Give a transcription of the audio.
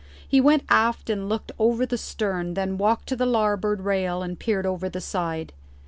He went aft and looked over the stern, then walked to the larboard rail and peered over the side.